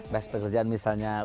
bahas pekerjaan misalnya